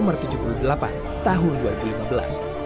tentang peringatan hari buru internasional